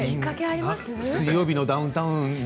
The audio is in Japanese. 「水曜日のダウンタウン」に。